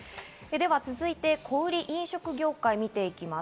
続いて、小売・飲食業界を見ていきます。